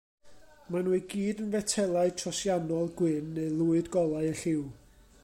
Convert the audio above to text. Maen nhw i gyd yn fetelau trosiannol gwyn neu lwyd golau eu lliw.